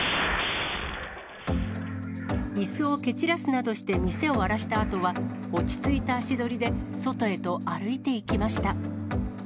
いすを蹴散らすなどして店を荒らしたあとは、落ち着いた足取りで外へと歩いていきました。